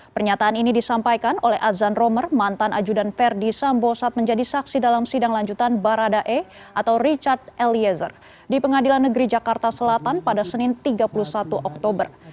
pernyataan ini disampaikan oleh azan romer mantan ajudan verdi sambo saat menjadi saksi dalam sidang lanjutan baradae atau richard eliezer di pengadilan negeri jakarta selatan pada senin tiga puluh satu oktober